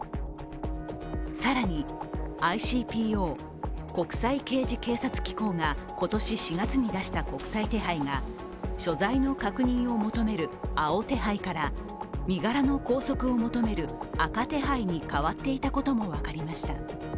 更に、ＩＣＰＯ＝国際刑事警察機構が今年４月に出した国際手配が所在の確認を求める青手配から身柄の拘束を求める赤手配に変わっていたことも分かりました。